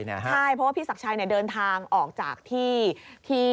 ใช่เพราะว่าพี่ศักดิ์ชัยเดินทางออกจากที่